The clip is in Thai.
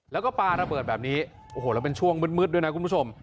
แล้วก็ปลาระเบิดแบบนี้โอ้โหแล้วเป็นช่วงมืดด้วยนะคุณผู้ชม